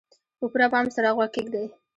په پوره پام سره غوږ کېږدئ.